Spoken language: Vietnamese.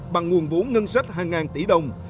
bằng nguồn vũ ngân sách hàng ngàn tỷ đồng